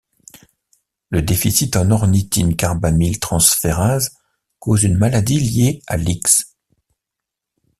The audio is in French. Le déficit en ornithine carbamyl transférase cause une maladie liée à l'X.